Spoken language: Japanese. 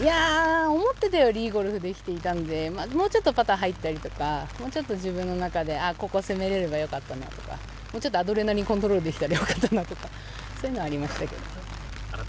思っていたよりいいゴルフできていたのでもっとパター入ったりとかもっと自分の中でここを攻めればよかったとかもうちょっとアドレナリンをコントロールできたよかったなとそういうのはありましたけど。